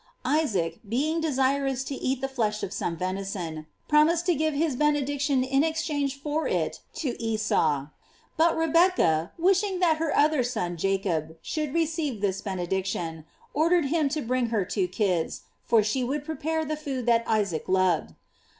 Isaac baing desirous to eat the flesh of some venison, promised to give his benediction in ex change for it to Esau; but Rebecca wishing that her other son Jacob should receive this ben ediction, ordered him to bring her two kids, for she would prepare the food that Isaac loved.